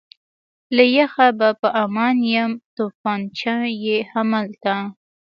له یخه به په امان یم، تومانچه یې همالته.